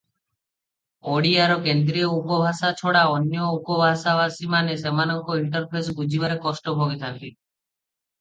ଓଡ଼ିଆର କେନ୍ଦ୍ରୀୟ ଉପଭାଷା ଛଡ଼ା ଅନ୍ୟ ଉପଭାଷାଭାଷୀମାନେ ସେମାନଙ୍କ ଇଣ୍ଟରଫେସ ବୁଝିବାରେ କଷ୍ଟ ଭୋଗିଥାନ୍ତି ।